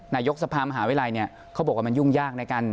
นายกกสภาสมหาวิรัยเขาบอกว่ามันยุ่งยากในการ